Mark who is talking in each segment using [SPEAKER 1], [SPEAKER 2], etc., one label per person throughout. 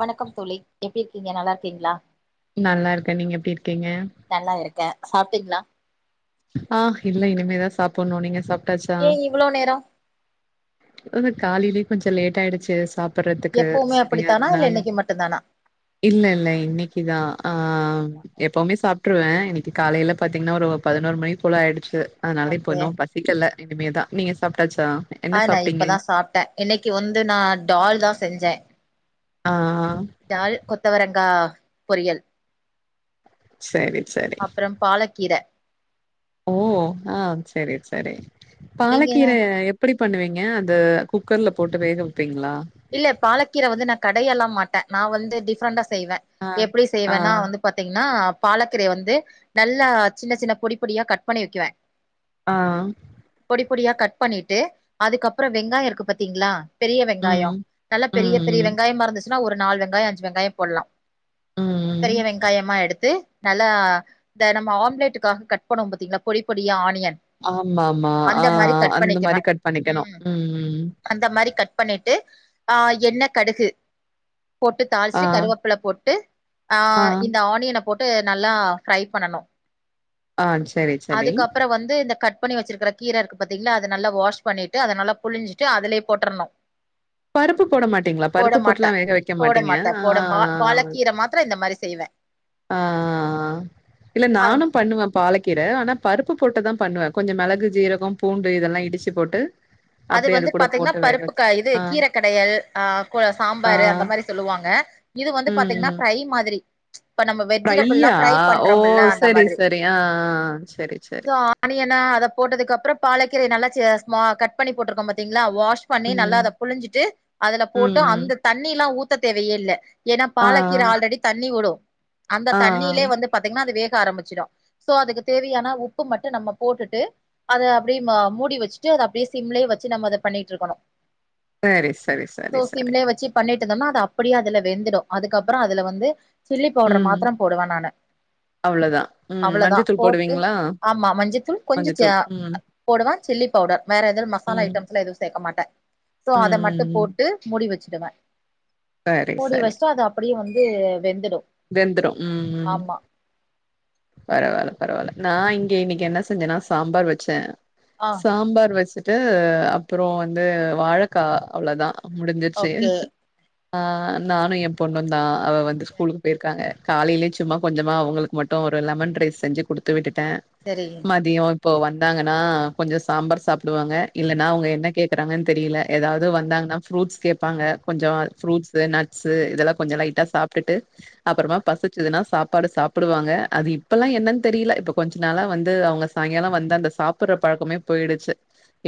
[SPEAKER 1] வணக்கம் தோழி எப்டி இருக்கீங்க நல்லா இருக்கீங்களா
[SPEAKER 2] நல்லா இருக்கே நீங்க எப்டி இருக்கீங்க
[SPEAKER 1] நல்லா இருக்கே சாப்பிட்டீங்களா
[SPEAKER 2] ஆ இல்ல இனிமே தா சாப்பிடணு நீங்க சாப்
[SPEAKER 1] ஏன் இவ்ளோ நேரம்
[SPEAKER 2] அது காலயிலயு கொஞ்ச லேட் ஆயிடுச்சி சாப்பிடறதுக்கு
[SPEAKER 1] எப்பவுமே
[SPEAKER 2] சரி
[SPEAKER 1] அப்டித்தானா இல்ல
[SPEAKER 2] அதனால
[SPEAKER 1] இன்னைக்கு மட்டுந்தானா
[SPEAKER 2] இல்ல இல்ல இன்னைக்குதா ஆ
[SPEAKER 1] இன்னைக்குதா. ஓகே
[SPEAKER 2] எப்பவுமே சாப்டுருவே இன்னைக்கு காலையில பாத்தீங்கன்னா ஒரு பதினோரு மணிக்கு போல ஆயிடுச்சி அதனால இப்ப
[SPEAKER 1] ஓகே
[SPEAKER 2] இன்னு பசிக்கல இனிமே தா நீங்க சாப்பிட்டாச்சா
[SPEAKER 1] ஆ நா இப்பதா சாப்பிட்டே இன்னைக்கு வந்து நா டால் தா செஞ்சே
[SPEAKER 2] ஆ
[SPEAKER 1] டால் கொத்தவரங்கா பொரியல்
[SPEAKER 2] சரி சரி
[SPEAKER 1] பாலக்கீரை
[SPEAKER 2] ஓ ஆ சேரி சேரி
[SPEAKER 1] நீங்க
[SPEAKER 2] பாலக்கீரை எப் புடி பண்ணுவீங்க அந்த குக்கர்ல போட்டு வேக வைப்பீங்களா
[SPEAKER 1] இல்ல பாலக்கீர வந்து நா கடய எல்லா மாட்டே நா வந்து டிஃப்ரெண்டண்டா செய்வே
[SPEAKER 2] ஆ
[SPEAKER 1] எப்டி
[SPEAKER 2] ஆ
[SPEAKER 1] செய்வேன்னா வந்து பாத்தீங்கன்னா பாலக்கரைய வந்து நல்லா சின்ன சின்ன பொடி பொடியா கட் பண்ணி வைக்குவே
[SPEAKER 2] ஆ
[SPEAKER 1] பொடி பொடியா கட் பண்ணிட்டு அதுக்கப்புறோ வெங்காயோ இருக்கு பாத்தீங்ளா பெரிய
[SPEAKER 2] ம்.
[SPEAKER 1] வெங்காயோ நல்லா பெரிய பெரிய
[SPEAKER 2] ம்,
[SPEAKER 1] வெங்காயமா இருந்துச்சுனா ஒரு நாலு வெங்காயோ அஞ்சு வெங்காயோ போட்லா பெரிய
[SPEAKER 2] ம்.
[SPEAKER 1] வெங்காயமா எடுத்து நல்லா இந்த நம்ம ஆம்லேட்டுக்காக கட் பண்ணுவோ பாத்தீங்ளா பொடி பொடியா ஆனியன்
[SPEAKER 2] ஆமா ஆமா ஆ
[SPEAKER 1] அந்த மாரி கட்
[SPEAKER 2] அந்த மாரி
[SPEAKER 1] பண்ணிக்குவே
[SPEAKER 2] கட் பண்ணிக்கணு
[SPEAKER 1] ம்
[SPEAKER 2] ம்
[SPEAKER 1] அந்த மாரி கட் பண்ணிட்டு ஆ எண்ண கடுகு போட்டு
[SPEAKER 2] ஆ,
[SPEAKER 1] தாள்ச்ட்டு கருவேப்பில போட்டு ஆ இந்த ஆனியன நல்லா ஃப்ரை பண்ணணு
[SPEAKER 2] ஆ. சரி, சரி.
[SPEAKER 1] அதுக்கப்புறோ வந்து இந்த கட் பண்ணி வச்சிருக்குற கீர இருக்கு பார்த்தீங்ளா அத நல்லா வாஷ் பண்ணிவிட்டு அத நல்லா புழஞ்சிட்டு அதுலே போட்றணு
[SPEAKER 2] பருப்பு போட மாட்டீங்ளா
[SPEAKER 1] போட
[SPEAKER 2] பருப்பு போட்டுலா
[SPEAKER 1] மாட்டே
[SPEAKER 2] வேக வைக்க
[SPEAKER 1] போட
[SPEAKER 2] மாட்டீங்க
[SPEAKER 1] மாட்டே
[SPEAKER 2] ஆ
[SPEAKER 1] போட பா பாலக்கீர மாத்திர இந்த மாரி செய்வே
[SPEAKER 2] ஆ இல்ல
[SPEAKER 1] அது
[SPEAKER 2] நானு பண்ணுவ பாலக்கீர ஆனா பருப்பு போட்டுதா பண்ணுவ கொஞ்சோ மெளகு ஜீரகோ பூண்டு இதெல்லா இடிச்சு போட்டு
[SPEAKER 1] அது
[SPEAKER 2] அப்படியே
[SPEAKER 1] வந்து
[SPEAKER 2] கூட
[SPEAKER 1] பாத்தீங்னா
[SPEAKER 2] போட்டு வேக
[SPEAKER 1] பருப்புக்கா
[SPEAKER 2] வச்சுருவேன்.
[SPEAKER 1] இது
[SPEAKER 2] ஆ,
[SPEAKER 1] கீரக்கடையல் ஆ க்வ
[SPEAKER 2] ஆ.
[SPEAKER 1] சாம்பாாரு அந்த மாரி சொல்லுவாங்க இது வந்து
[SPEAKER 2] ம்,
[SPEAKER 1] பாத்தீங்னா
[SPEAKER 2] ம்.
[SPEAKER 1] ஃப்ரை மாதிரி இப்ப நம்ம வெஜிடபிள்லா
[SPEAKER 2] ஃப்ரையா?
[SPEAKER 1] ஃப்ரை
[SPEAKER 2] ஓ!
[SPEAKER 1] பண்றோமுல்ல அந்த
[SPEAKER 2] சரி,
[SPEAKER 1] மாதிரி
[SPEAKER 2] சரி. ஆ, ஆ. சரி, சரி.
[SPEAKER 1] சோ ஆனியனா அத போட்டதுக்கு அப்றோ பாலக்கீரைய நல்ல சே ஸ்மா கட் பண்ணி போட்ருக்கோ பாத்தீங்ளா வாஷ் பண்ணி நல்லா
[SPEAKER 2] ம்,
[SPEAKER 1] அத புழிஞ்சிட்டு அதுல
[SPEAKER 2] ம்,
[SPEAKER 1] போட்டு
[SPEAKER 2] ம்.
[SPEAKER 1] அந்த தண்ணிலா ஊத்த தேவையே இல்ல ஏனா
[SPEAKER 2] ஆ,
[SPEAKER 1] பாலக்கீர ஆல்ரெடி தண்ணி ஊடு அந்த
[SPEAKER 2] ஆ. ஆ, ஆ.
[SPEAKER 1] தண்ணிலே வந்து பாத்தீங்னா அது வேக ஆரமிச்சிடு சோ அதுக்கு தேவையான உப்பு மட்டு நம்ம போட்டுட்டு அத அப்டியே மா மூடி வச்சுட்டு அத அப்டியே சிம்லே வச்சு நம்ம அத பண்ணிட்ருக்கணு
[SPEAKER 2] சரி, சரி, சரி,
[SPEAKER 1] சோ
[SPEAKER 2] சரி.
[SPEAKER 1] சிம்லே வச்சு பண்ணிட்டிருந்தோம்னா அது அப்புடியே அதுல வெந்துடு அதுக்கப்புறோ அதுல வந்து சில்லி பவ்ட்ர
[SPEAKER 2] ம்.
[SPEAKER 1] மாத்துரோ போடுவ நானு
[SPEAKER 2] அவ்வளதான். ம்.
[SPEAKER 1] அவுளதா
[SPEAKER 2] மஞ்சத்தூள்
[SPEAKER 1] போட்டு
[SPEAKER 2] போடுவீங்களா?
[SPEAKER 1] ஆமா மஞ்சத்தூள் கொஞ்சோ சா
[SPEAKER 2] மஞ்சத்தூள். ம்.
[SPEAKER 1] போடுவ சில்லி பவுடர் வேற இதுல்
[SPEAKER 2] ம்.
[SPEAKER 1] மசாலா
[SPEAKER 2] ம்.
[SPEAKER 1] ஐட்டம்ஸ்லா எது சேக்க மாட்ட சோ அத
[SPEAKER 2] ம்.
[SPEAKER 1] மட்டு போ
[SPEAKER 2] ம்.
[SPEAKER 1] ட்டு மூடி வச்சுடுவ
[SPEAKER 2] சரி,
[SPEAKER 1] மூடி
[SPEAKER 2] சரி.
[SPEAKER 1] வஸ்ட்டு அத அப்புடியே வந்து வெந்துடு
[SPEAKER 2] வெந்துரு ம் ம்
[SPEAKER 1] ஆமா
[SPEAKER 2] பரவால்ல பரவால்ல நான் இங்க இன்னைக்கு என்ன செஞ்சனா சாம்பார் வச்ச
[SPEAKER 1] ஆ
[SPEAKER 2] சாம்பார் வச்சுட்டு அப்புறோ வந்து வாழக்கா அவுளதா முடிஞ்சிர்ச்சு
[SPEAKER 1] ஓகே
[SPEAKER 2] ஆ நானு என் பொண்ணுந்தா அவ வந்து
[SPEAKER 1] ஓகே
[SPEAKER 2] ஸ்கூலுக் டாங்க காலேலே சும்மா கொஞ்சமா அவுங்களுக்கு மட்டு ஒரு லெமன் ரைஸ் செஞ்சு குடுத்து விட்டுட்ட
[SPEAKER 1] சரி
[SPEAKER 2] மதியோ இப்போ வந்தாங்கனா கொஞ்சோ சாம்பார் சாப்புடுவாங்க இல்லனா
[SPEAKER 1] ம்
[SPEAKER 2] அவ்ங்க என்ன கே க்குறாங்கன் தெரியில எதாவ்து வந்தாங்னா ஃபுரூட்ஸ் கேப்பாங்க கொஞ்சோ
[SPEAKER 1] ம்
[SPEAKER 2] ஃபுரூட்ஸு நட்ஸு இதெல்லா கொஞ்சோ லைட்டா சாப் பிட்டு
[SPEAKER 1] ம்
[SPEAKER 2] அப்புறமா பசிச்சுதுனா சாப்பாடு சாப்புடுவாங்க அது இப்பல்லா என்னன் தெரில இப்ப கொஞ்சு நாளா வந்து அவ்ங்க சாய்ங்காலோ வந்து அந்த சாப்புற பழக்கமே போய்டுச்சு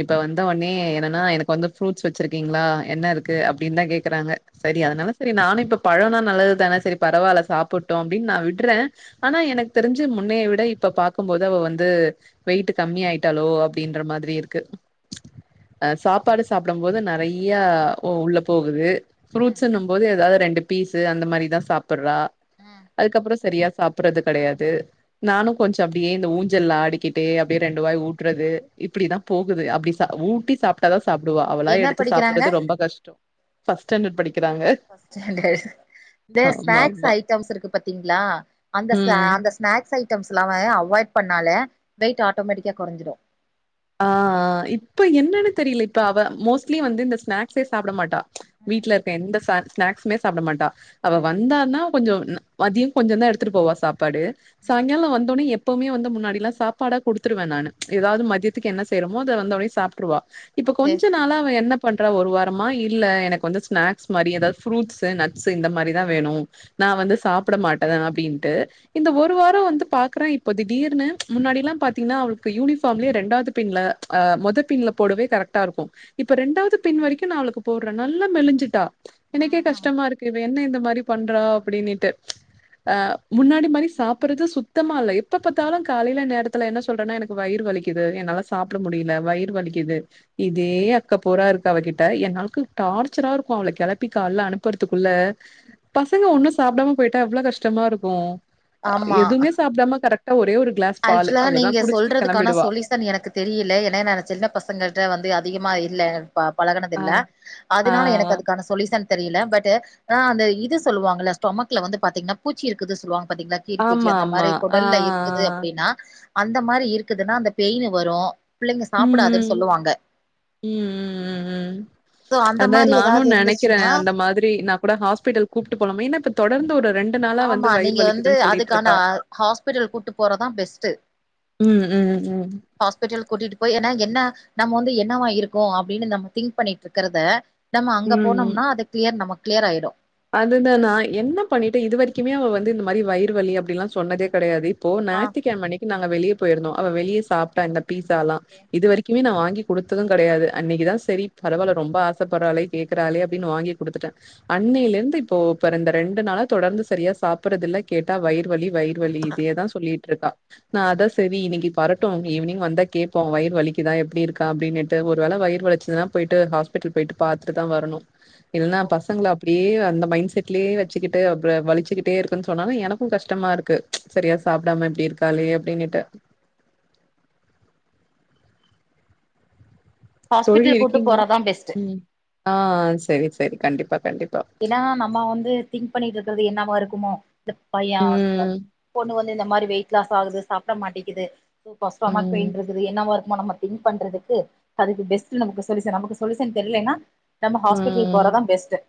[SPEAKER 2] இப்ப வந்த ஒட்னே என்னனா எனக்கு வந்து ஃபுரூட்ஸ் வச்சிருக்கீங்ளா என்ன இருக்கு அப்டின்தா கேக்குறாங்க சரி அதுனால சரி நானு இப்ப பழோனா நல்லதுதான சரி பரவால்ல சாப்புட்டு அப்டின் நான் விடுற ஆனா எனக் தெரிஞ்சு முன்னே விட இப்ப பாக்கும்போது அவ வந்து வெய்ட்டு கம்மியா ஆய்ட்டாலோ அப்டின்ற மாதிரி இருக்கு அ சாப்பாடு சாப்புடம்போது நெறைய உ உள்ள போகுது
[SPEAKER 1] ம்
[SPEAKER 2] ஃபுரூட்ஸிங்க போது எதாது ரெண்டு பீஸ்ஸு அந்த மாரிதா சாப்புட்றா
[SPEAKER 1] ம்
[SPEAKER 2] அதுக்கப்புறோ சரியா சாப் புறது கெடையாது நானு கொஞ்சோ அப்டியே இந்த ஊஞ்சல் ஆடிக்கிட்டு அப்டியே ரெண்டு வாய் ஊட்றது இப்புடிதா போகுது அப்டி சா ஊட்டி சாப் ட்டாதா சாப்டுவா அவளா
[SPEAKER 1] என்ன
[SPEAKER 2] எடுத்து
[SPEAKER 1] படிக்கிறாங்க
[SPEAKER 2] சாப்புறது ரொம்ப கஷ்டோ ஃபஸ் ஸ்டாண்டட் படிக்குறாங்க
[SPEAKER 1] ஃபஸ் ஸ்டாண்டர்ஸ் இந்த ஸ்நாக்ஸ்
[SPEAKER 2] ஆமா
[SPEAKER 1] ஐடம்ஸ் இருக்கு பாத்தீங்ளா அந்த சா
[SPEAKER 2] ம்
[SPEAKER 1] அந்தஸ் ஸ்நாக்ஸ் ஐட்டம்ஸ்லாமே அவாய்ட் பண்ணாலே வெயிட் ஆட்டோமேட்டிக்காக கொறஞ்சிடோ
[SPEAKER 2] ஆ ஆ இப்போ என்னன்னு தெரியுல இப்போ அவ மோஸ்ட்லி வந்து இந்த ஸ்நாக்ஸே சாப்ட மாட்டா
[SPEAKER 1] ம்
[SPEAKER 2] வீட்ல இருக்க எந்த சா ஸ்நாக்ஸ்மே சாப்ட மாட்டா அவ
[SPEAKER 1] ம்
[SPEAKER 2] வந்தான்னா கொஞ்சோ மதியோ கொஞ்சோ தா எடுத்துட்டு போவா சாப்பாடு
[SPEAKER 1] ம்
[SPEAKER 2] சாயங்காலோ வந்தோன்னே எப் எப்பவுமே வந்து முன்னாடிலா சாப்பாடா குடுத்துருவே நானு ஏதாவது மதியத்துக்கு என்ன செய்ரோமோ அத வந்து ஒடனே சாப்ட்டுறுவா இப்ப
[SPEAKER 1] ஓகே
[SPEAKER 2] கொஞ்ச நாளா அவ என்னப் பண்றா ஒரு வாரமா இல்ல எனக்கு வந்து ஸ்நாக்ஸ் மாரி எதாவது ஃப்ரூட்ஸு நட்ஸு இந்த மாதிரி தா வேணு நா வந்து சாப்டமாட்டே அப்டீன்ட்டு இந்த ஒரு வாரோ வந்து பாக்குறே இப்போ திடீர்னு முன்னாடில்லா பாத்தீங்கன்னா அவளுக்கு யூனிஃபார்ம்லுயே ரெண்டாவுது பின்ல அ மொதபின்ல போடவே கரெக்டா இருக்கோ இப்ப ரெண்டாவது பின் வெரிக்கோ நா அவளுக்கு போடுற நல்லா மெலிஞ்சுட்டா
[SPEAKER 1] ம்
[SPEAKER 2] எனக்கே
[SPEAKER 1] ம்
[SPEAKER 2] கஷ்டமா இருக் கு இவ என்ன இந்த மாரி பண்றா அப்டின்னுட்டு ஆ முன்னாடி மாரி சாப்புடுறது சுத்தமா இல்ல எப்ப பார்த்தாலு காலையில நேரத்துல என்ன சொல்றான்னா எனக் கு வயிரு வலிக்குது என்னால சாப்ட முடியுல வயிரு வலிக்குது இதே அக்க போரா இருக்கு அவகிட்ட என்னாளுக்கு டார்ச்சரா இருக்கோ அவள கெளப்பி கால்ல அனுப்புறதுக்குள்ள பசங்க ஒண்ணோ சாப்டாம போயிட்டா எவ்வளோ கஷ்டமா இருக்கோ எதுவுமே சாப்டாம கரெக்டா ஒரே ஒரு கிளாஸ் பாலு
[SPEAKER 1] அதுக்கலா
[SPEAKER 2] அவ்ளோதா
[SPEAKER 1] நீங்க
[SPEAKER 2] குடிச்சிட்டு
[SPEAKER 1] சொல்றதுக்கானா
[SPEAKER 2] கெளம்பிடுவா
[SPEAKER 1] சொலிஸ் சன் எனக்கு தெரீயுல ஏனா நா சின்ன பசங்கள்ட்ட வந்து அதிகமா இல்ல ப பழகனது
[SPEAKER 2] ஆ
[SPEAKER 1] இல்ல அதனால
[SPEAKER 2] ஆ
[SPEAKER 1] எனக்கு அதுக்கான சொலீசன் தெரியுல பட்டு அந்த இது சொல்லுவாங்க ஸ்டொமக்ல வந்து பாத்தீங்கன்னா பூச்சி இருக்குது சொல்லுவாங்க பாத்தீங்களா கீருபூச்சி
[SPEAKER 2] ஆமா
[SPEAKER 1] அந்த
[SPEAKER 2] ஆமா.
[SPEAKER 1] மாரி
[SPEAKER 2] ஆ,
[SPEAKER 1] கொடல்ல இருக்குது அப்
[SPEAKER 2] ஆ.
[SPEAKER 1] டீனா அந்த மாரி இருக்குதுன்னா அந்த மாரி பெயின்னு வரோ பிள்ளைங்க
[SPEAKER 2] ம்,
[SPEAKER 1] சாப்புடாதுன்னு
[SPEAKER 2] ம்.
[SPEAKER 1] சொல்லுவாங்க
[SPEAKER 2] ம் ம் ம்
[SPEAKER 1] சோ அந்த
[SPEAKER 2] அதா
[SPEAKER 1] மாரி
[SPEAKER 2] நானு
[SPEAKER 1] ஏதாவது
[SPEAKER 2] நெனைக்கிறே
[SPEAKER 1] இருந்துச்சுன்னா
[SPEAKER 2] அந்த மாரி நா ஹாஸ்பிட்டல் கூப்ட்டு போலாமான்னு மெயினா இப்ப தொடர்ந்து ஒரு ரெண்டு
[SPEAKER 1] ஆமா நீங்க வந்து அதுக்கான ஹாஸ்பிடல் கூட்டு போறதா பெஸ்ட்டு
[SPEAKER 2] ம் ம் ம்
[SPEAKER 1] ஹாஸ்பிட்டல் கூட்டிட்டு போய் ஏன்னா என்ன நம்ம வந்து என்னவா இருக்கோ அப்டின்னு நம்ம திங்க் பண்ணிட்ருக்கறத நம்ம அங்க போனோம்னா அது கிளியர் நம்ம கிளியர் ஆயிடோ
[SPEAKER 2] அதுதானா என்ன பண்ணிட்டு இது வெரிக்குமே அவ வந்து இந்த மாரி வயிறு வலி அப்டீல்லா சொன்னதே கெடையாது இப்போ
[SPEAKER 1] ஆ
[SPEAKER 2] ஞாயத்தி கெழம அன்னிக்கி நாங்க வெளிய போயிருந்தோ அவ வெளிய சாப்ட்டா இந்த பீஸாசாலா இது வெரிக்குமே நா வாங்கி குடுத்தது கடையாது அன்னைக்கிதா சேரி பரவால ரொம்ப ஆசைப்பட்றாளே கேக்குறாளே அப்டீன்னு வாங்கி குடுத்துட்டே அன்னில இருந்து இப்போ இப்ப இந்த ரெண்டு நாள தொடர்ந்து சரியா சாப்புடுறதில்ல கேட்டா வயிறு வலி வயிறு வலி இதயேதா சொல்லிட்ருக்கா நா அதா சேரி இன்னிக்கி வரட்டோ ஈவினிங் வந்தா கேப்போ வயிறுவலிக்குதா எப்டி இருக்கா அப்டீன்ட்டு ஒரு வேல வயுறு வள்ச்சுதுன்னா போயிட்டு ஹாஸ்பிட்டல் போயிட்டு பாத்துட்டு தா வரணோ இல்லன்னா பசங்கள அப்டியே அந்த மைண்ட் செட்லயே வெச்சுகிட்டு அப்புறோ விலுச்சுக்கிட்டே இருக்குன்னு சொன்னாலு எனக்கு கஷ்டமா இருக்கு சரியா சாப்டாம இப்டி இருக்காலே அப்டீனுட்டு தோழி
[SPEAKER 1] ஹாஸ்பிட்டல் கூட்டு
[SPEAKER 2] இருக்கீங்களா
[SPEAKER 1] போறதா பெஸ்ட்
[SPEAKER 2] ம் ஆ ஆ சேரி சேரி கண்டிப்பா கண்டிப்பா
[SPEAKER 1] ஏன்னா நம்ம வந்து திங்க் பண்ணிட்டு இருக்கிறது என்னவா இருக்குமோ இந்த பைய
[SPEAKER 2] ம்.
[SPEAKER 1] பொண்ணு வந்து இந்த மாரி வெயிட் லாஸ் ஆகுது சாப்படக்ஷ மாட்டேங்குது ஸ்டொமக்
[SPEAKER 2] ம்.
[SPEAKER 1] பெயின் இருக்குது என்னவா இருக்குமோ நம்ம திங்க் பண்றதுக்கு அதுக்கு பெஸ்ட்டு நமக்கு சொலிசன் நமக்கு சொலிசன் தெர்லன்னா நம்ம ஹாஸ்பிட்டல்
[SPEAKER 2] ம்.
[SPEAKER 1] போறதா பெஸ்ட்டு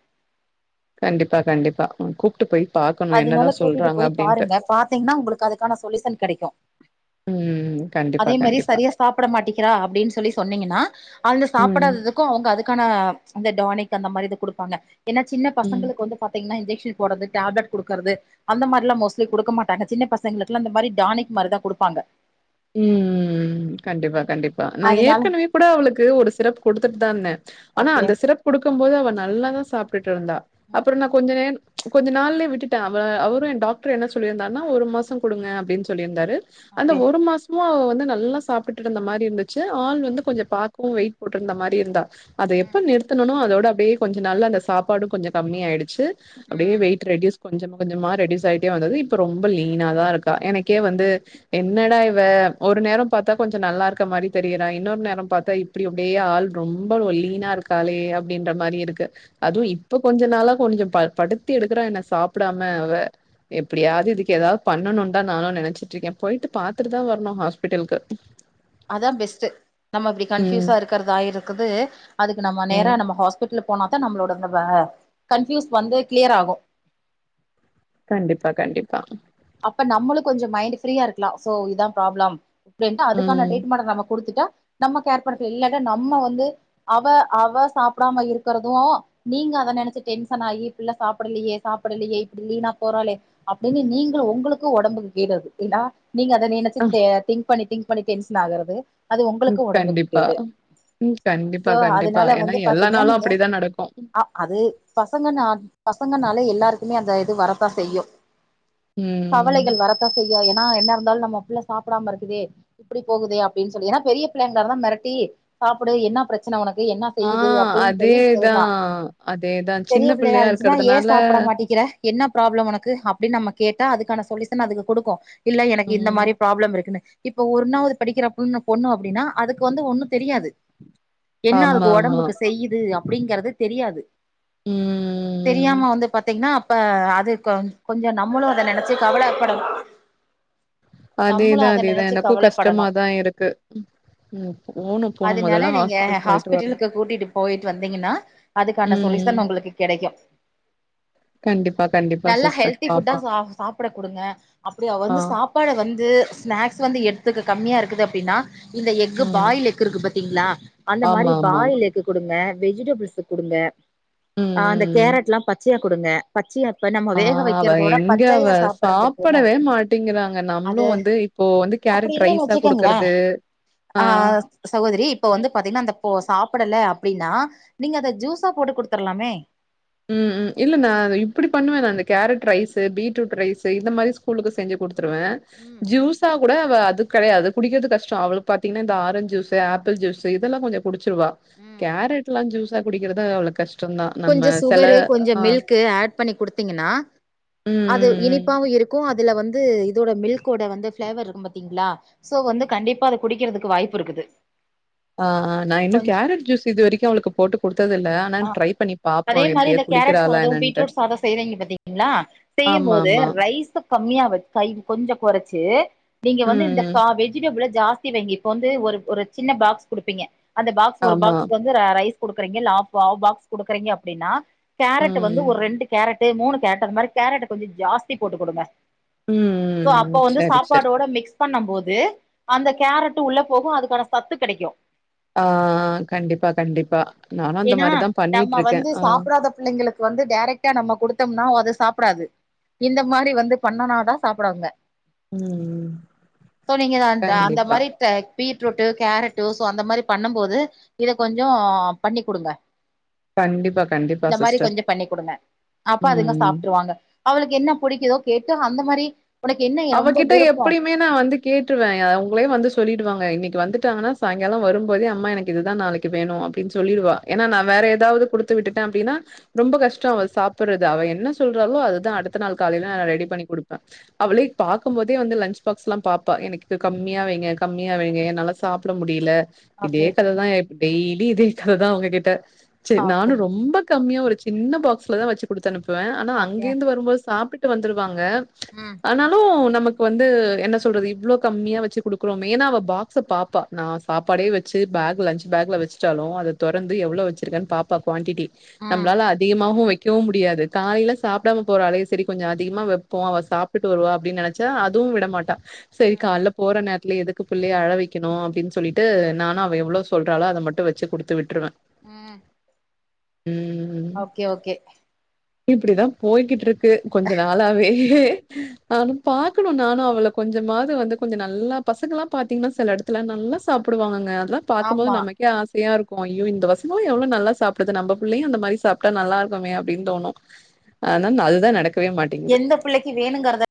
[SPEAKER 2] கண்டிப்பா கண்டிப்பா உ கூப்ட்டு போய் பாக்கணு
[SPEAKER 1] அதுனால
[SPEAKER 2] என்னதா
[SPEAKER 1] கூட்டிட்டு
[SPEAKER 2] சொல்றாங்க
[SPEAKER 1] போய்
[SPEAKER 2] அப்டின்ட்டு.
[SPEAKER 1] பாருங்க பாத்தீங்கன்னா உங்களுக்கு அதுக்கான சொல்யூஷன் கெடைக்கு
[SPEAKER 2] ம் கண்டிப்பா கண்
[SPEAKER 1] இது சரியா சாப்ட மாட்டேங்குறா அப்டின்னு சொல்லி சொன்னீங்கன்னா அதுல
[SPEAKER 2] ம்.
[SPEAKER 1] சாப்டாததுக்கு அவங்க அதுக்கான அந்த டானிக் அந்த மாரி இது கொடுப்பாங்க ஏன்னா சின்ன
[SPEAKER 2] ம்.
[SPEAKER 1] பசங்களுக்கு வந்து பாத்தீங்கன்னா இன்ஜெக்ஷன் போட்றது டேப்லட் கொடுக்குறது அந்த மாரி எல்லா மோஸ்லி கொடுக்க மாட்டாங்க சின்ன பசங்களுக்குலா அந்த மாரி டானிக் மாரி தா கொடுப்பாங்க
[SPEAKER 2] ம் ம் கண்டிப்பா கண்டிப்பா நா
[SPEAKER 1] அதனால
[SPEAKER 2] ஏற்கனவே கூட அவளுக்கு ஒரு சிரப்பு கொடுத்துட்டு தா இருந்தே ஆனா
[SPEAKER 1] ஓகே
[SPEAKER 2] அந்த சிரப்பு குடுக்கு போது அவ நல்லாதா சாப்பிட்டுட்டு இருந்தா அப்றோ
[SPEAKER 1] ம்
[SPEAKER 2] நா கொஞ்ச நேரோ கொஞ்ச நாள்லே விட்டுட்டே அவ அவரு என் டாக்டர் என்ன சொல்லியிருந்தாருன்னா ஒரு மாசோ கொடுங்க அப்டின்னு சொல்லியிருந்தாரு அந்த
[SPEAKER 1] ஓகே
[SPEAKER 2] ஒரு மாசமு அவ வந்து நல்லா சாப்பிட்டுட்டு இருந்த மாரி இருந்துச்சு ஆள் வந்து
[SPEAKER 1] ம்
[SPEAKER 2] கொஞ்சோ பார்க்கவு வெயிட் போட்ருந்த மாரி இருந்தா அத
[SPEAKER 1] ம்
[SPEAKER 2] எப்ப நிறுத்தனண்ணோ அதோட அப்டியே கொஞ்ச நாள் அந்த சாப்பாடு கம்மி ஆயிடுச்சு அப்டியே
[SPEAKER 1] ம்
[SPEAKER 2] வெய்ட் ரெடியூஸ் கொஞ்சம் கொஞ்சமா ரெடியூஸ் ஆயிட்டே வந்தது இப்ப ரொம்ப லீனா தா இருக்கா எனக்கே வந்து என்னடா இப்ப ஒரு நேரோ பார்த்தா கொஞ்சோ நல்லா இருக்க மாரி தெரியறா இன்னொரு நேரோ பாத்தா இப்டி அப்டியே ஆள் ரொம்ப ஒ லீனா இருக்க காலே அப்டின்ற மாரி இருக்கு அதுவு
[SPEAKER 1] ம்
[SPEAKER 2] இப் இப்ப கொஞ்ச நாளா கொஞ்சோ படுத்தி எடுக்குறா என்ன சாப்டாம அவ எப்டியாவது இதுக்கு ஏதாவது பண்ணணு தா நானு நெனச்சிட்டு இருக்க போயிட்டு பாத் துட்டு தா வரணு ஹாஸ்பிடலுக்கு
[SPEAKER 1] அதா பெஸ்ட் நம்ம இப்டி
[SPEAKER 2] ம்
[SPEAKER 1] கன்ஃயூஸா இருக்கறத ஆய அதுக்கு நம்ம நேரா
[SPEAKER 2] ம்
[SPEAKER 1] நம்ம ஹாஸ் பிட்டல் போனா தா நம்மளோட அ கன்ஃபீயூஸ் வந்து கிளியர் ஆகு
[SPEAKER 2] கண்டிப்பா கண்டிப்பா
[SPEAKER 1] அப்ப நம்மளு கொஞ்சோ மைண்ட் ஃப்ரீயா இருக்கலா சோ இதா ப்ராப்ளம் அப்டின்னா அதுக்கான
[SPEAKER 2] ம்
[SPEAKER 1] டிரீட்மென்ட்ட நம்ம குடுத்துட்டா நம்ம கேர் படுற இல்லன்னா நம்ம வந்து அவ அவ சாப்டாம இருக்கிறதும் நீங்க அத நெனச்சு டென்சனாகி பிள்ள சாப்டலையே சாப்டலையே இப்டி வீணா போறாளே அப்டின்னு நீங் உங்களுக்கு உடம்பு கேடு அது ஏன்னா நீங்க அத நெனச்சி
[SPEAKER 2] அ
[SPEAKER 1] திங்க் பண்ணி திங்க் பண்ணி டென்சனாகுறது அது
[SPEAKER 2] ம்
[SPEAKER 1] உங்களுக்கு உடம்புக்கு
[SPEAKER 2] கண்டிப்பா
[SPEAKER 1] கேடு
[SPEAKER 2] ம் கண்டிப்பா
[SPEAKER 1] சோ
[SPEAKER 2] கண்டிப்பா
[SPEAKER 1] அதனால
[SPEAKER 2] ஏன்னா
[SPEAKER 1] வந்து
[SPEAKER 2] எல்லா
[SPEAKER 1] பாத்தீங்கன்னா
[SPEAKER 2] நாளு
[SPEAKER 1] நீங்க
[SPEAKER 2] அப்டிதா நடக்கு
[SPEAKER 1] ஆ அது பசங்கன்னா பசங்கனாலே எல்லாருக்குமே அந்த இது வரத்தா செய்யு
[SPEAKER 2] ம்
[SPEAKER 1] கவலைகள் வரத்தா செய்யு ஏன்னா என்ன இருந்தாலு நம்ம புள்ள சாப்டாம இருக்குதே இப்டி போகுதுே அப்டின்னு சொல்லி ஏன்னா பெரிய பிள்ளைங்களா தா மெரட்டி சாப்டு என்னா பிரச் சன உனக்கு என்ன
[SPEAKER 2] ஆ
[SPEAKER 1] செய்யுது அப்டின்னு சரி
[SPEAKER 2] அதேதா
[SPEAKER 1] சொல்லலா
[SPEAKER 2] அதேதா
[SPEAKER 1] பெரிய
[SPEAKER 2] சின்ன
[SPEAKER 1] புள்ளயா
[SPEAKER 2] பிள்ளையா
[SPEAKER 1] இருந்துச் சுனா ஏ
[SPEAKER 2] இருக்கறதுனால
[SPEAKER 1] சாப்பிட மாட்டேங்கிறா என்ன ப்ராப்ள உனக்கு அப்டின்னு நம்ம கேட்டா அதுக்கான சொல்யூஷன் அதுங்க குடுக்கு இல்ல எனக்கு இந்த
[SPEAKER 2] ம்
[SPEAKER 1] மாதிரி ப்ராப்ளம் இருக்குன்னு இப்ப ஒர்ண்ணாவது படிக்கிற பொண்ணு அப்டின்னா அதுக்கு வந்து ஒன்னு தெரியாது என்ன அதுக்கு
[SPEAKER 2] ஆமாமா.
[SPEAKER 1] உடம்புக்கு செய்யுது அப்டிங்கறது தெரியாது
[SPEAKER 2] ம்.
[SPEAKER 1] தெரியாம வந்து பாத்தீங்கன்னா அப்ப அது கொஞ் கொஞ்ச நம்மளு அத நெனச்சு கவலைப்பட
[SPEAKER 2] அதேதா அதேதா
[SPEAKER 1] நெனச்சு
[SPEAKER 2] எனக்கு
[SPEAKER 1] கவலப்படணு
[SPEAKER 2] கஷ்டமாதா இருக்கு ம். போணும், போணும்.
[SPEAKER 1] அதனால
[SPEAKER 2] மொதல்ல
[SPEAKER 1] நீங்க
[SPEAKER 2] ஹாஸ்பிட்டல் போயிட்டு வரணும்.
[SPEAKER 1] ஹாஸ்பிட்டலுக்கு கூட்டிட்டு போயிட்டு வந்தீங்கன்னா அதுக்கான
[SPEAKER 2] ம்.
[SPEAKER 1] சொல்யூசன் உங்களுக்கு கெடைக்கு
[SPEAKER 2] கண்டிப்பா கண்டிப்பா
[SPEAKER 1] நல்லா
[SPEAKER 2] சிஸ்டர்
[SPEAKER 1] ஹெல்தி ஃபுட்டா
[SPEAKER 2] பாப்போம்.
[SPEAKER 1] சாப் சாப்பிட கொடுங்க அப்டி அவ
[SPEAKER 2] ஆ.
[SPEAKER 1] வந்து சாப் அப்பாட வந்து ஸ்நாக்ஸ் வந்து எடுத்துக்க கம்மியா இருக்குது அப்டின்னா இந்த எக்கு
[SPEAKER 2] ம்.
[SPEAKER 1] பாயில் எக்கு இருக்கு பாத்தீங்களா அந்த மாதிரி
[SPEAKER 2] ஆமாமா.
[SPEAKER 1] பாயில் எக் குடுங்க வெஜிடபிள்ஸ்ச குடுங்க
[SPEAKER 2] ம்,
[SPEAKER 1] அந்த
[SPEAKER 2] ம்.
[SPEAKER 1] கேரட்ல்லா பச்சையா குடுங்க பச்சயா இப்ப நம்ம வேக வைக்
[SPEAKER 2] வ எங்க அவ சாப்டவே மாட்டேங்கிறாங்க நம்மளு
[SPEAKER 1] அது
[SPEAKER 2] வந்து இப்போ வந் வ
[SPEAKER 1] அப்டி
[SPEAKER 2] கேரட்
[SPEAKER 1] இல்லன்னு
[SPEAKER 2] ரைஸா
[SPEAKER 1] வச்சுக்கங்களே
[SPEAKER 2] குடுக்கறது ஆ
[SPEAKER 1] சகோதரி இப்ப வந்து பாத்தீங்கன்னா அந்த போ சாப்டல அப்டின்னா நீங்க அத ஜூஸா போட்டு குடுத்துறலாமே
[SPEAKER 2] ம் ம் இல்ல நா இப்டி பண்ணுவே நா இந்த கேரட் ரைஸு பீட்ரூட் ரைஸு இந்த மாத்ரி ஸ்கூலுக்கு செஞ்சு குடுத்துருவே
[SPEAKER 1] ம்
[SPEAKER 2] ஜூஸ் ஜுஸா கூட அவ அது கடையாது குடிக்கிறது கஷ்டோ அவளுக்கு பாத்தீங்ன்னா இந்த ஆரஞ்சு ஜூஸு ஆப்பிள் ஜூஸு இதெல்லா கொஞ்சோ குடிச்சுடுவா
[SPEAKER 1] ம்
[SPEAKER 2] கேரட்ல்லா ஜூஸா குடிக்கிறது தா அவ்ளோ கஷ்டந்தா நம்ம
[SPEAKER 1] கொஞ்ச
[SPEAKER 2] செல
[SPEAKER 1] சுகரு கொஞ்சோ
[SPEAKER 2] ஆ
[SPEAKER 1] மில்க் ஆட் பண்ணி குடுத்தீங்னா
[SPEAKER 2] ம்
[SPEAKER 1] அது
[SPEAKER 2] ம் ம்
[SPEAKER 1] இனிப்பாவு இருக் கு அதுல வந்து இதோட மில்கோட வந்து ஃப்ளேவர் இருக்கு பாத்தீங்ளா சோ வந்து கண்டிப்பா அத குடிக்கிறதுக்கு வாய்ப்பு இருக்குது
[SPEAKER 2] ஆ ஆ நா இன்னு கேரட் ஜூஸ் இது வரைக்கு அவளுக்கு போட்டு குடுத்தது இல்ல ஆனா
[SPEAKER 1] ஆ
[SPEAKER 2] ட்ரை பண்ணி பாப்போ
[SPEAKER 1] அதே மாதிரி
[SPEAKER 2] எப்டியா
[SPEAKER 1] இந்த கேரட்
[SPEAKER 2] குடிக்கிறாளா
[SPEAKER 1] சாதோ
[SPEAKER 2] என்னன்ட்டு
[SPEAKER 1] பீட்ரூட் சாதோ செய்றீங்க பாத்தீங்களா
[SPEAKER 2] ஆமா
[SPEAKER 1] செய்யுபோது
[SPEAKER 2] ஆமா
[SPEAKER 1] ரைஸுக் கம்மியா வெச் கை கொஞ்சோ கொறச்சு நீங்க வந்து
[SPEAKER 2] ம்
[SPEAKER 1] இந்த
[SPEAKER 2] ம்
[SPEAKER 1] கா வெஜிடபிள ஜாஸ் தி வைங்க இப்ப வந்து ஒரு ஒரு சின்ன பாக்ஸ் குடுப்பீங்க அந்த பாக்ஸ் ஒரு
[SPEAKER 2] ஆமா
[SPEAKER 1] பாக்ஸ் வந் பூரா ரைஸ் குடுக்குறீங்க லேப் பாவ் பாக்ஸ் குடுக்குறீங்க அப்டின்னா கேரட் வந்து
[SPEAKER 2] ம்
[SPEAKER 1] ஒரு ரெண்டு கேரட் மூணு கேரட் அந்த மாதிரி கேரட் கொஞ்சோ ஜாஸ்தி போட்டு குடுங்க
[SPEAKER 2] ம்
[SPEAKER 1] சோ
[SPEAKER 2] ம்
[SPEAKER 1] அப்ப வந்து
[SPEAKER 2] சரி சரி
[SPEAKER 1] சாப்பாடோட மிக்ஸ் பண்ணம் போது அந்த கேரட் உள்ள போகும் அதுக்கான சத்து கெடக்கு
[SPEAKER 2] ஆ கண்டிப்பா கண்டிப்பா நானு அந்த மாதிரிதான் பண்ணிட்
[SPEAKER 1] நா வந்து சாப்பிடாத பிள்ளைங்களுக்கு வந்து டைரெக்டா நம்ம கொடுத்தோம்னா அத சாப்டாது இந்த மாதிரி வந்து பண்ணுனாதா சாப்டவாங்க
[SPEAKER 2] ம்
[SPEAKER 1] சோ நீங்க அந்த அந்த
[SPEAKER 2] கண்டிப்பா
[SPEAKER 1] மாத்ரி பீட்ரூட்டு கேரட்டு ஸோ அந்த மாத்ரி பண்ணும் போது இத கொஞ்சோ பண்ணி் குடுங்க
[SPEAKER 2] கண்டிப்பா கண்டிப்பா
[SPEAKER 1] இந்த மாரி
[SPEAKER 2] சிஸ்டர்
[SPEAKER 1] கொஞ்சோ பண்ணி் கு டுங்க அப்ப அதுங்க
[SPEAKER 2] ம்.
[SPEAKER 1] சாப்டுருவாங்க அவளுக்கு என்ன புடிக்குதோ கேட்டு அந்த மாரி உனக்கு என்ன ரொம்ப
[SPEAKER 2] அவகிட்ட
[SPEAKER 1] விருப்போ
[SPEAKER 2] எப்டிம் இப்பயு நா வந்து கேட்டுருவே அவுங்களே வந்து சொல்லிடுவாங்க இன்னைக்கு வந்துட்டாங்கன்னா சாயங்காலோ வரும்போதே அம்மா எனக்கு இதுதா நாளைக் கு வேணு அப்டின்னு சொல்லிற்வா ஏன்னா நா
[SPEAKER 1] ம்
[SPEAKER 2] வேற ஏதாவது குடுத்து விட்டுட்டே அப்டின்னா ரொம்ப கஷ்டோ அவ சாப்ற்து அவ என்ன சொல்றாலோ அதுதா அடுத்த நாள் காலைல நா ரெடி பண்ணி குடுப்பே அவளே பாக்கும்போதே வந்து லன்ச் பாக்ஸ்ல்லா பாப்பா எனக்கு இது கம்மியா வைங்க என்னால சாப்ட முடியல இதே
[SPEAKER 1] ஓகே
[SPEAKER 2] கததா டெய்லி இதே கததா அவங்ககிட்ட செர்
[SPEAKER 1] ஓகே
[SPEAKER 2] நானு ரொம்ப கம்மியா ஒரு சின்ன பாக்ஸ்லதா வச்சு குடுத்து அனுப்புவே ஆனா
[SPEAKER 1] ஓகே
[SPEAKER 2] அங்கே இருந்து வரும்போது சாப்ட்டு வந்துர்வாங்க
[SPEAKER 1] ம்
[SPEAKER 2] ஆனாலு நமக்கு வந்து என்ன சொல்றது இவளோ கம்மியா வச்சு குடுக்குறோமே ஏன்னா அவ பாக்ஸ பாப்பா நா சாப்பாடே வச்சு பேக் லஞ்ச் பேக்ல வச்சட்டாலு அத தொறந்து எவ்ளவு வச்சிருக்கேன்னு பா்ப்பா க்வான்டிட்டி
[SPEAKER 1] ம்
[SPEAKER 2] நம்ளால வேகமாவும் வெக்கவு முடியாது காலைல சாப்டாம போறாலே சேரி கொஞ்சோ அதிகமா வெப்போ அவ சாப் ட்டு வருவா அப்டின்னு அதுவும் விட மாட்டா சரி
[SPEAKER 1] ம்
[SPEAKER 2] கால போற நேரத் த்லே எதுக்கு புள்ளய அழ வக்கணு அப்டின்னு சொல்லிட்டு நானு அவ எவ்ளோ சொல்றாளோ அத மட்டு வெச்சு குடுத்து விட்டுருவே
[SPEAKER 1] ம்
[SPEAKER 2] ம்
[SPEAKER 1] ஓகே ஓகே
[SPEAKER 2] இப்டிதா போய்கிட்ருக்கு கொஞ்ச நாள் ளாவே நானு பாக்கணு நானு அவள கொஞ்சமாது வந்து கொஞ்சோ நல்லா பசங்கல்லாம் பாத்தீங்கன்னா சில எடத் நல்லா சாப்புடுவாங்கங்க அதெல்லாம் பாக்கும்போது
[SPEAKER 1] ஆமா
[SPEAKER 2] நமக் கே ஆசையா இருக்கு ஐயோ இந்த பசங்களா எவ்ளோ நல்லா சாப்புடுது நம்ம பிள்ளையு அந்த மாரி சாப்ட்டா நல்லா இருக்குமே அப்டின்னு தோணு ஆனா அதுதா நடக்குது
[SPEAKER 1] எந்த புள்ளைக்கு வேணுங்கறத